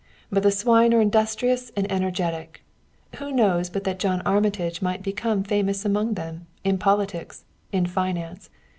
But the swine are industrious and energetic. Who knows but that John Armitage might become famous among them in politics, in finance!